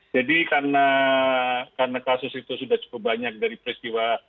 jadi karena kasus itu sudah cukup banyak dari peristiwa